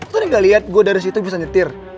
lo kan gak liat gue dari situ bisa nyetir